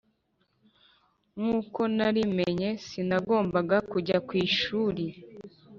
nkuko nari menye sinagombaga kujya kwishuri